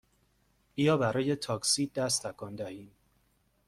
بیا برای تاکسی دست تکان دهیم!